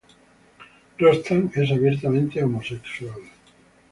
Rostam es abiertamente homosexual.